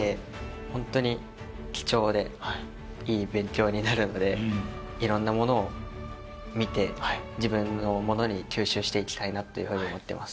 ホントに貴重でいい勉強になるのでいろんなものを見て自分のものに吸収していきたいなって思ってます。